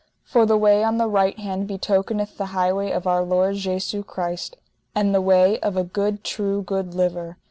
For the way on the right hand betokeneth the highway of our Lord Jesu Christ, and the way of a good true good liver.